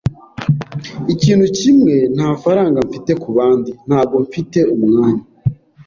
Ikintu kimwe, nta faranga mfite. Kubandi, ntabwo mfite umwanya.